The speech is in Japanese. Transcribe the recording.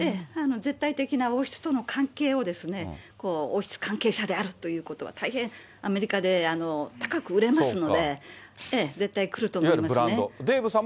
絶対的な王室との関係を、王室関係者であるということは、大変アメリカで高く売れますので、絶対来ると思いますね。